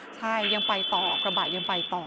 ใช่ยังไปต่อกระบะยังไปต่อ